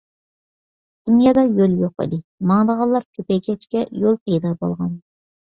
دۇنيادا يول يوق ئىدى، ماڭىدىغانلار كۆپەيگەچكە يول پەيدا بولغان.